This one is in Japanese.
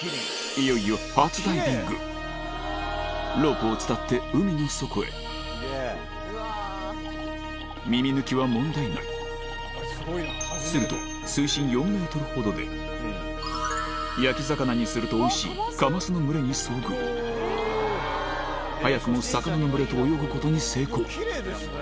いよいよロープを伝って海の底へ耳抜きは問題ないすると水深４ｍほどで焼き魚にするとおいしいカマスの群れに遭遇早くも魚の群れと泳ぐことに成功